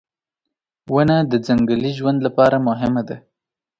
• ونه د ځنګلي ژوند لپاره مهمه ده.